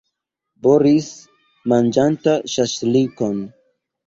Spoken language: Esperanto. Boris, manĝanta ŝaŝlikon.